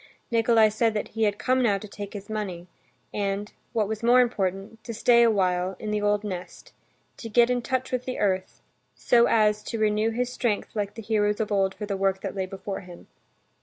Nikolay said that he had come now to take this money and, what was more important, to stay a while in the old nest, to get in touch with the earth, so as to renew his strength like the heroes of old for the work that lay before him.